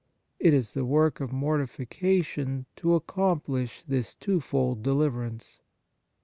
It is the work of mortification to accomplish this two fold deliverance.